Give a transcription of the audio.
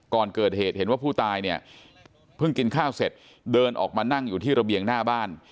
ก่อนเกิดเหตุเห็นว่าผู้ตายเนี่ยเพิ่งกินข้าวเสร็จเดินออกมานั่งอยู่ที่ระเบียงหน้าบ้าน